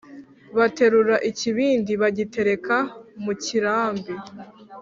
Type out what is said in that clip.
Baterura ikibindi, bagitereka mu kirambi,